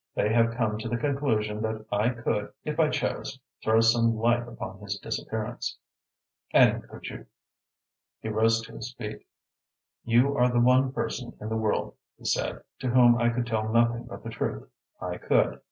They have come to the conclusion that I could, if I chose, throw some light upon his disappearance." "And could you?" He rose to his feet. "You are the one person in the world," he said, "to whom I could tell nothing but the truth. I could."